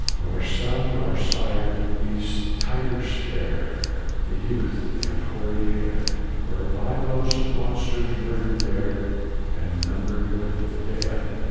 Nor son, nor sire, these tigers spare, The youth, and hoary head, Were by those monsters murdered there, And numbered with the dead.